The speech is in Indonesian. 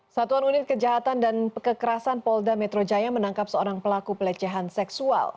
satuan unit kejahatan dan kekerasan polda metro jaya menangkap seorang pelaku pelecehan seksual